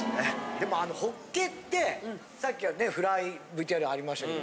でもあのホッケってさっきはねフライＶＴＲありましたけど。